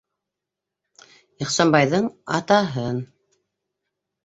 Ихсанбайҙың атаһын.